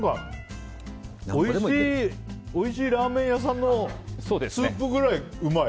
おいしいラーメン屋さんのスープぐらいうまい。